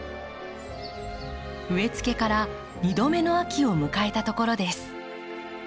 植えつけから２度目の秋を迎えたところです。